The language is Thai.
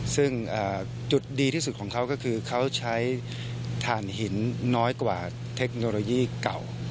ซึ่งจุดดีที่สุดของเขาก็คือเขาใช้ฐานหินน้อยกว่าเทคโนโลยีเก่า